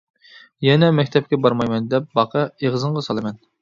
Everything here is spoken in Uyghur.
-يەنە مەكتەپكە بارمايمەن دەپ باقە، ئېغىزىڭغا سالىمەن.